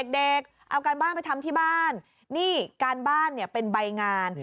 เด็กเอาการบ้านไปทำที่บ้านนี่การบ้านเนี่ยเป็นใบงาน